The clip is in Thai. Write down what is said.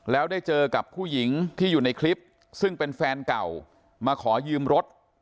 แล้วได้เจอกับผู้หญิงที่อยู่ในคลิปซึ่งเป็นแฟนเก่ามาขอยืมรถ